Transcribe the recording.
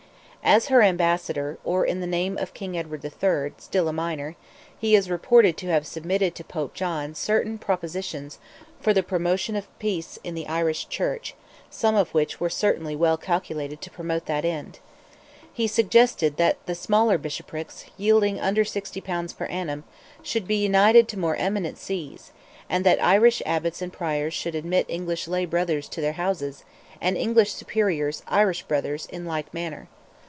As her Ambassador, or in the name of King Edward III., still a minor, he is reported to have submitted to Pope John certain propositions for the promotion of peace in the Irish Church, some of which were certainly well calculated to promote that end. He suggested that the smaller Bishoprics, yielding under sixty pounds per annum, should be united to more eminent sees, and that Irish Abbots and Priors should admit English lay brothers to their houses, and English Superiors Irish brothers, in like manner.